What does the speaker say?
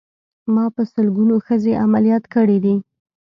ما په سلګونو ښځې عمليات کړې دي.